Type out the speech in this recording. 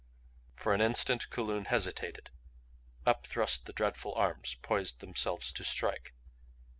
For an instant Kulun hesitated. Up thrust the dreadful arms, poised themselves to strike.